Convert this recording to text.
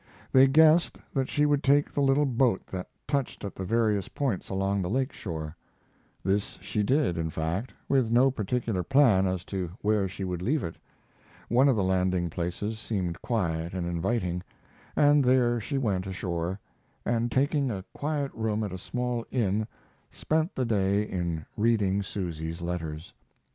They guessed that she would take the little boat that touched at the various points along the lake shore. This she did, in fact, with no particular plan as to where she would leave it. One of the landing places seemed quiet and inviting, and there she went ashore, and taking a quiet room at a small inn spent the day in reading Susy's letters.